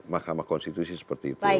mahkamah konstitusi seperti itu